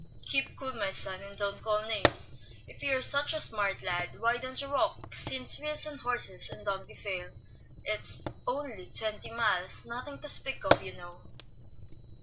"Keep cool, my son, and don't call names. If you are such a smart lad, why don't you walk, since wheels and horses and donkey fail. It's only twenty miles, nothing to speak of, you know."